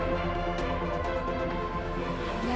ya yang itu